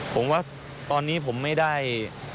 ผมว่าตอนนี้ผมไม่ได้